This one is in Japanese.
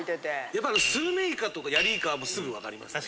やっぱスルメイカとかヤリイカはすぐ分かりますね。